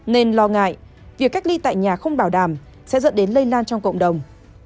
nên lo ngại việc cách ly tại nhà không bảo đảm sẽ dẫn đến lây lan trong cộng đồng